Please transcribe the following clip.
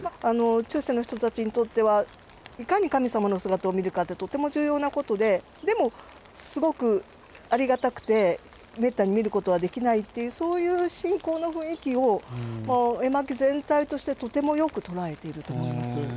中世の人たちにとってはいかに神様の姿を見るかってとても重要なことででもすごくありがたくてめったに見ることはできないっていうそういう信仰の雰囲気を絵巻全体としてとてもよく捉えていると思います。